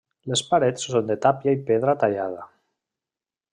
Les parets són de tàpia i pedra tallada.